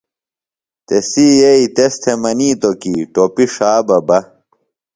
تسی یئی تس تھےۡ منِیتوۡ کی ٹوپیۡ ݜا بہ بہ۔